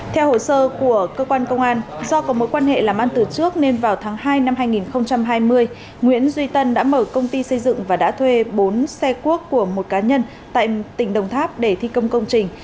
theo hồ sơ của cơ quan công an do có mối quan hệ làm ăn từ trước nên vào tháng hai năm hai nghìn hai mươi nguyễn duy tân đã mở công ty xây dựng và đã thuê bốn xe cuốc của một cá nhân tại tỉnh đồng tháp để thi công công trình